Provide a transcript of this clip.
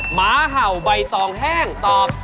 หมาเห่าใบตองแห้งตอบ